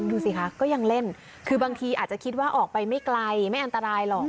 ดูสิคะก็ยังเล่นคือบางทีอาจจะคิดว่าออกไปไม่ไกลไม่อันตรายหรอก